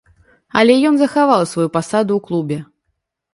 Але ён захаваў сваю пасаду ў клубе.